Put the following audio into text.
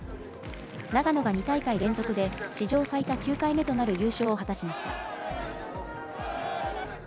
長野が２大会連続で史上最多９回目となる優勝を果たしました。